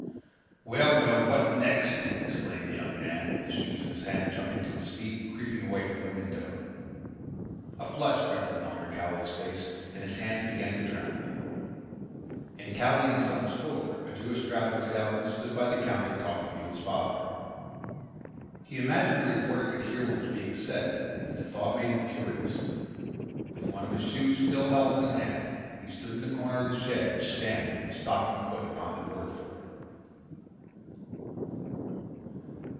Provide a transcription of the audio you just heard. "Well, well, what next!" exclaimed the young man with the shoes in his hand, jumping to his feet and creeping away from the window. A flush crept into Elmer Cowley's face and his hands began to tremble. In Cowley & Son's store a Jewish traveling salesman stood by the counter talking to his father. He imagined the reporter could hear what was being said and the thought made him furious. With one of the shoes still held in his hand he stood in a corner of the shed and stamped with a stockinged foot upon the board floor.